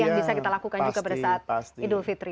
yang bisa kita lakukan juga pada saat idul fitri